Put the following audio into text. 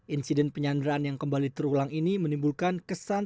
insiden penyanderaan yang kembali terulang ini menimbulkan kesan